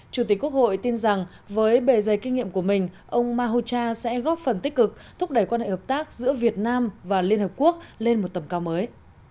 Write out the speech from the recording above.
chủ tịch quốc hội tin rằng với bề dây kinh nghiệm của mình ông mahocha sẽ góp phần tích cực thúc đẩy quan hệ hợp tác giữa việt nam và liên hợp quốc lên một tầm cao mới